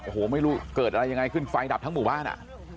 โอ้โหไม่รู้เกิดอะไรยังไงขึ้นไฟดับทั้งหมู่บ้านอ่ะ